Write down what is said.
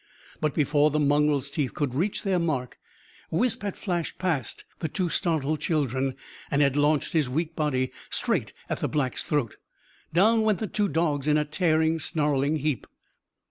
But, before the mongrel's teeth could reach their mark, Wisp had flashed past the two startled children and had launched his weak body straight at the Black's throat. Down went the two dogs in a tearing, snarling heap.